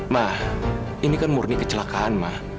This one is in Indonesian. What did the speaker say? ma ini kan murni kecelakaan ma